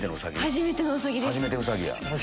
初めてウサギや！